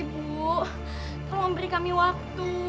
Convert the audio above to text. bu tolong beri kami waktu